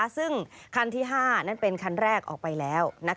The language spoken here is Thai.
ซึ่งคันที่๕นั่นเป็นคันแรกออกไปแล้ว